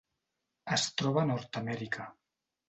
Es troba a Nord-amèrica: